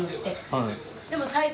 はい。